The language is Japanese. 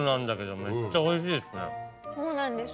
そうなんです。